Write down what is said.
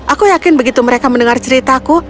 aku yakin begitu mereka mendengar ceritaku